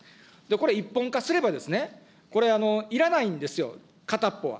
これ、一本化すればですね、これ、いらないんですよ、片っぽは。